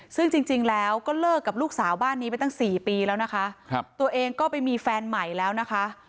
ซึ่งจริงแล้วก็เลิกกับลูกสาวบ้านนี้ไปตั้ง๔ปีแล้วนะคะตัวเองก็ไปมีแฟนใหม่แล้วนะคะ